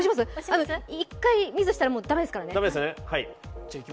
１回ミスしたら駄目ですからね。